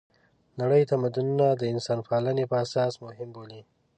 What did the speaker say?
نړۍ تمدونونه د انسانپالنې په اساس مهم بولي.